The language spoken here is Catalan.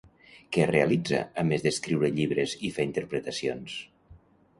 Què realitza, a més d'escriure llibres i fer interpretacions?